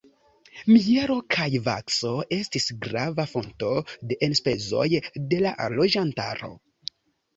Mielo kaj vakso estis grava fonto de enspezoj de la loĝantaro.